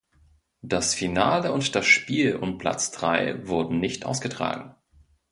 Das Finale und das Spiel um Platz drei wurden nicht ausgetragen.